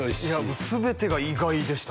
もう全てが意外でした